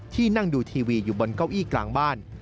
ที่นั่งดูทีวีอยู่บนเก้าอี้กลางบ้าน